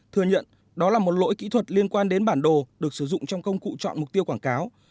thừa nhận đó là một lỗi kỹ thuật liên quan đến bản đồ được sử dụng trong công cụ chọn mục tiêu quảng cáo